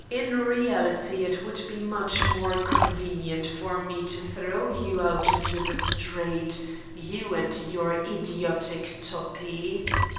In reality, it would be much more convenient for me to throw you out into the street, you and your idiotic Toppi.